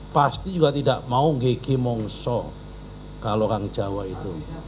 pasti juga tidak mau gege mongsok kalau orang jawa itu